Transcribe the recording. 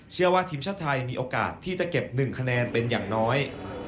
เชื่อว่าทีมชาติไทยมีโอกาสที่จะเก็บ๑คะแนนเป็นอย่างน้อย